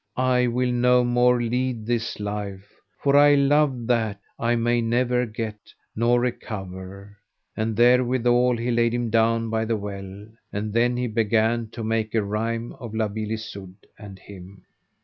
I will no more lead this life, for I love that I may never get nor recover. And therewithal he laid him down by the well. And then he began to make a rhyme of La Beale Isoud and him.